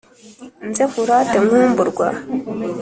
Nze nkurate nkumburwa